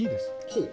ほう。